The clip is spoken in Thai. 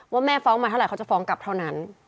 ว่าแม่ฟ้องมาเท่าไหรเขาจะฟ้องกลับเท่านั้น